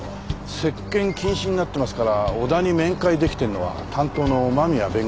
接見禁止になってますから小田に面会出来てるのは担当の間宮弁護士だけです。